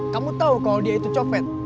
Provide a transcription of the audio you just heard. kamu tahu kalau dia itu copet